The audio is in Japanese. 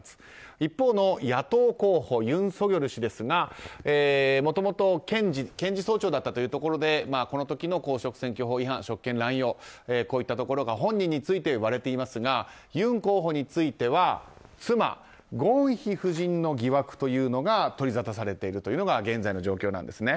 一方、野党候補のユン・ソギョル氏ですがもともと検事総長だったというところでこの時の公職選挙法違反職権乱用、こういったところが本人について言われていますがユン候補については妻ゴンヒ夫人の疑惑というのが取りざたされているというのが現在の状況です。